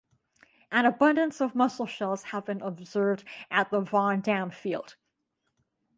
An abundance of mussel shells have been observed at the Von Damm field.